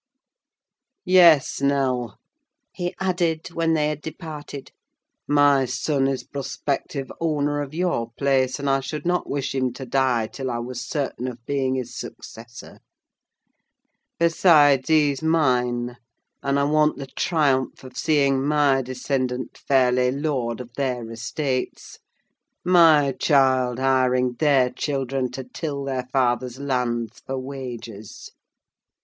Yes, Nell," he added, when they had departed, "my son is prospective owner of your place, and I should not wish him to die till I was certain of being his successor. Besides, he's mine, and I want the triumph of seeing my descendant fairly lord of their estates; my child hiring their children to till their fathers' lands for wages.